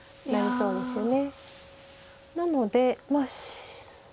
そうですね。